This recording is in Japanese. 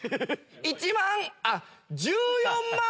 １万あっ１４万。